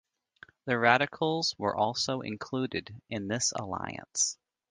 The Radicals were also included in this alliance.